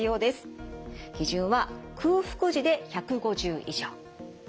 基準は空腹時で１５０以上。